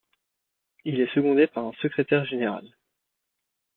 Il est secondé par un Secretaire général.